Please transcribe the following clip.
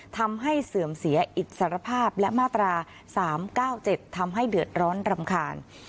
เสื่อมเสียอิสรภาพและมาตรา๓๙๗ทำให้เดือดร้อนรำคาญ